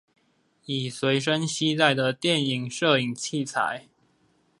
以隨身攜帶的電影攝影器材